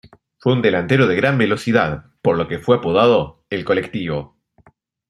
Fue un delantero de gran velocidad, por lo que fue apodado el Colectivo.